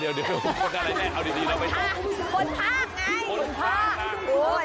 เดี๋ยวคนอะไรเนี่ยเอาจริงเราไปว่า